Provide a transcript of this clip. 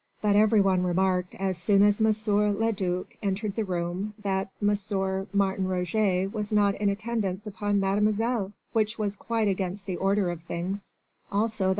But every one remarked as soon as M. le duc entered the rooms that M. Martin Roget was not in attendance upon Mademoiselle, which was quite against the order of things; also that M.